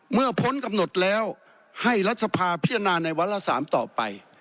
พ้นกำหนดแล้วให้รัฐสภาพิจารณาในวันละ๓ต่อไป